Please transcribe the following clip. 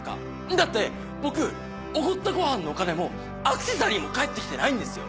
だって僕おごったごはんのお金もアクセサリーも返ってきてないんですよ。